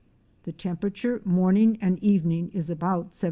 The temperature morning and evening is about 76°.